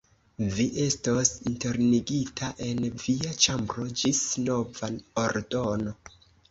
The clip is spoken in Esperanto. Vi estos internigita en via ĉambro ĝis nova ordono.